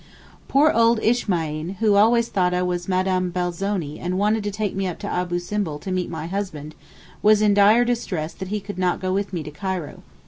Poor old Ismain, who always thought I was Mme. Belzoni and wanted to take me up to Abou Simbel to meet my husband, was in dire distress that he could not go with me to Cairo.